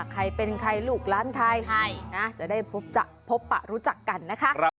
ใครเป็นใครลูกล้านใครนะจะได้พบปะรู้จักกันนะคะ